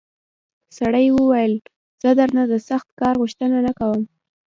سړي وویل زه درنه د سخت کار غوښتنه نه کوم.